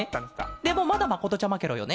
でもまだまことちゃまケロよね？